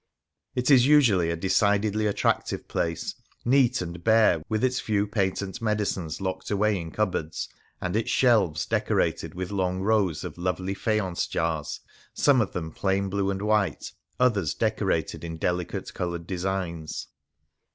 * It is usually a decidedly attractive place, neat and bare, with its few patent medicines locked away in cupboards, and its shelves decorated with long rows of lovely faience jars, some of them plain blue and white, others decorated in deli cate coloured designs.